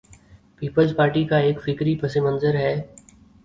Peoples Party کا ایک فکری پس منظر ہے۔